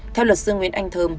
theo luật sư nguyễn anh thơm